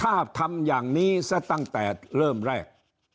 ถ้าทำอย่างนี้ซะตั้งแต่เริ่มแรก